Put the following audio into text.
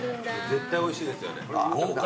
絶対おいしいですよね。